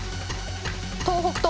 東北東！